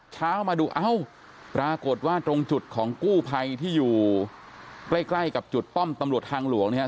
เช้ามาดูเอ้าปรากฏว่าตรงจุดของกู้ภัยที่อยู่ใกล้ใกล้กับจุดป้อมตำรวจทางหลวงเนี่ย